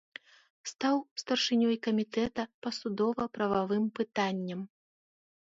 Стаў старшынёй камітэта па судова-прававым пытанням.